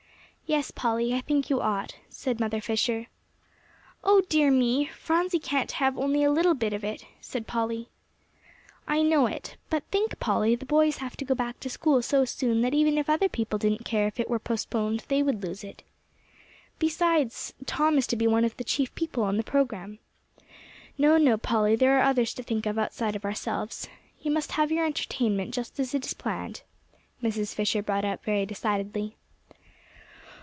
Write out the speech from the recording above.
"Yes, Polly, I think you ought," said Mother Fisher. "Oh dear me! Phronsie can't have only a little bit of it," said Polly. "I know it. But think, Polly, the boys have to go back to school so soon that even if other people didn't care if it were postponed, they would lose it. Besides, Tom is to be one of the chief people on the program. No, no, Polly, there are others to think of outside of ourselves. You must have your entertainment just as it is planned," Mrs. Fisher brought up very decidedly.